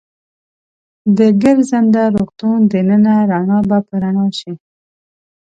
د ګرځنده روغتون دننه رڼا به په رڼا شي.